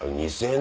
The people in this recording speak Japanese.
「２０００円」。